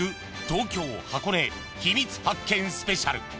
東京、箱根秘密発見スペシャル。